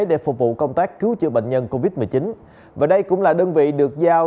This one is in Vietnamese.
để phục vụ công tác cứu chữa bệnh nhân covid một mươi chín và đây cũng là đơn vị được giao